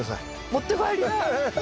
持って帰りたい。